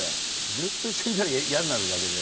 ずっと一緒にいたら嫌になるわけで。